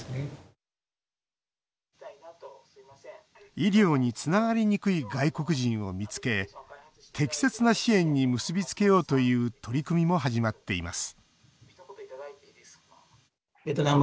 医療につながりにくい外国人を見つけ適切な支援に結び付けようという取り組みも始まっています